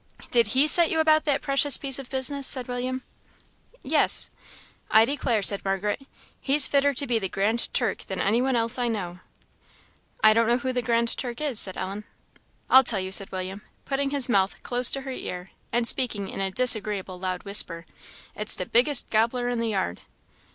"Did he set you about that precious piece of business?" said William. "Yes." "I declare," said Margaret, "he's fitter to be the Grand Turk than any one else I know of." "I don't know who the Grand Turk is," said Ellen. "I'll tell you," said William, putting his mouth close to her ear, and speaking in a disagreeable loud whisper, "it's the biggest gobbler in the yard."